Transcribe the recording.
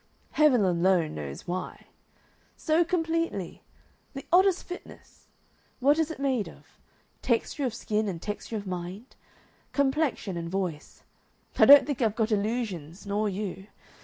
Heaven alone knows why. So completely! The oddest fitness! What is it made of? Texture of skin and texture of mind? Complexion and voice. I don't think I've got illusions, nor you....